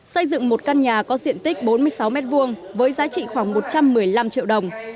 xây dựng một căn nhà có diện tích bốn mươi sáu m hai với giá trị khoảng một trăm một mươi năm triệu đồng